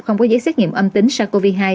không có giấy xét nghiệm âm tính sars cov hai